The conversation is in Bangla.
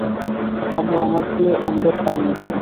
আম্মু আমার প্রিয় অমলেট বানিয়েছে।